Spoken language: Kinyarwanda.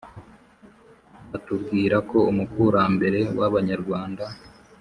batubwira ko umukurambere w Abanyarwanda